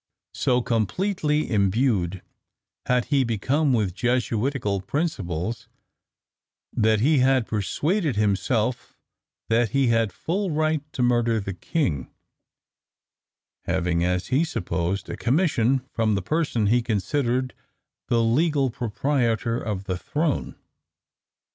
So completely imbued had he become with Jesuitical principles, that he had persuaded himself that he had full right to murder the king, having as he supposed a commission from the person he considered the legal proprietor of the throne.